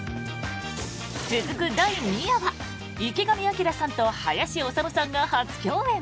続く第２夜は池上彰さんと林修さんが初共演！